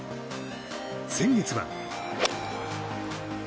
先月は。